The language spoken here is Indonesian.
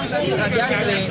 tadi ada antre